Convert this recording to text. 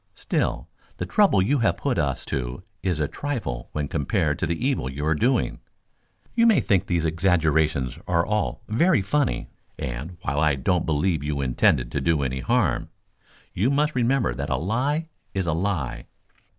Still, the trouble you have put us to is a trifle when compared to the evil you are doing. You may think these exaggerations are all very funny, and, while I don't believe you intended to do any harm, you must remember that a lie is a lie.